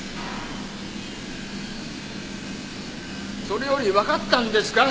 それより分かったんですか？